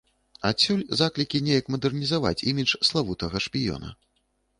Адсюль заклікі неяк мадэрнізаваць імідж славутага шпіёна.